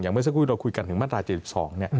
เมื่อสักครู่เราคุยกันถึงมาตรา๗๒